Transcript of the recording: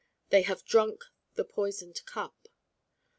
They have drunk the poisoned cup.